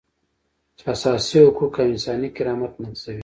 چې اساسي حقوق او انساني کرامت نقضوي.